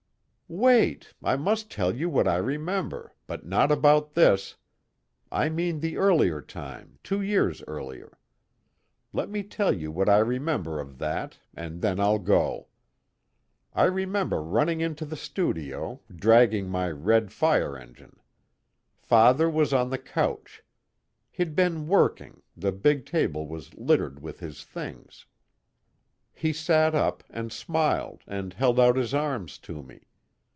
"Wait! I must tell you what I remember, but not about this; I mean the earlier time, two years earlier. Let me tell you what I remember of that, and then I'll go. I remember running into the studio, dragging my red fire engine. Father was on the couch. He'd been working, the big table was littered with his things. He sat up and smiled and held out his arms to me.